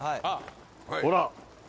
ほら。